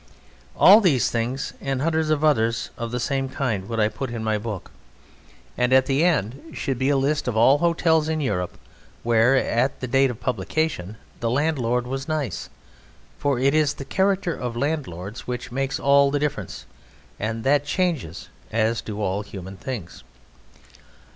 All these things, and hundreds of others of the same kind, would I put in my book, and at the end should be a list of all the hotels in Europe where, at the date of publication, the landlord was nice, for it is the character of the landlords which makes all the difference and that changes as do all human things.